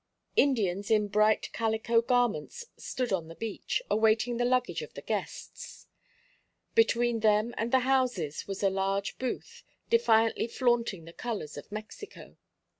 Indians in bright calico garments stood on the beach, awaiting the luggage of the guests. Between them and the houses was a large booth, defiantly flaunting the colours of Mexico.